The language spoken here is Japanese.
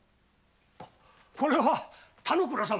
これは田之倉様。